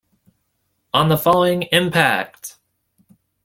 On the following Impact!